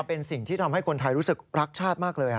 เป็นสิ่งที่ทำให้คนไทยรู้สึกรักชาติมากเลย